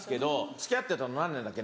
付き合ってたの何年だっけ？